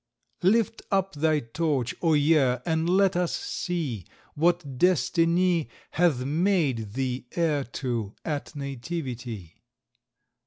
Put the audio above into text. Lift up thy torch, O Year, and let us see What Destiny Hath made thee heir to at nativity!